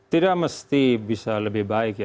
tidak mesti bisa lebih baik ya